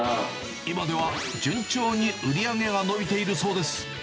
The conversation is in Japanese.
今では順調に売り上げは伸びているそうです。